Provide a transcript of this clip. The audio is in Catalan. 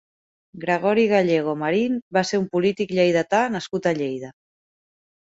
Gregori Gallego Marín va ser un polític lleidatà nascut a Lleida.